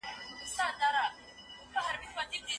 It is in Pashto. مور هيڅکله خپله لور بې لارښووني نه پرېږدي.